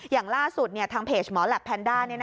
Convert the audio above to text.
อย่างล่าสุดทางเพจหมอแหลปแพนด้า